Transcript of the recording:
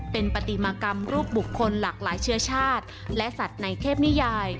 เป็นปฏิมากรรมรูปบุคคลหลากหลายเชื้อชาติและสัตว์ในเทพนิยาย